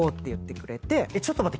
ちょっと待って。